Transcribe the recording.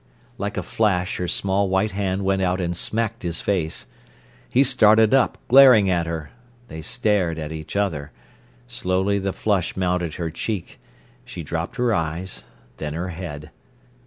Like a flash her small white hand went out and smacked his face. He started up, glaring at her. They stared at each other. Slowly the flush mounted her cheek, she dropped her eyes, then her head.